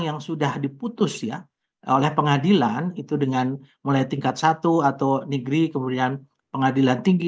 yang sudah diputus ya oleh pengadilan itu dengan mulai tingkat satu atau negeri kemudian pengadilan tinggi